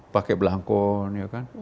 pakai belakon ya kan